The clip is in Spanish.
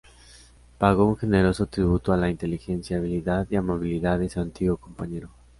Pagó un generoso tributo a la inteligencia, habilidad y amabilidad de su antiguo compañero.